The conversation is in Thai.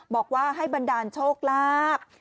บอกว่าให้บันดาลโชคลาภ